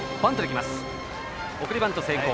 送りバント成功。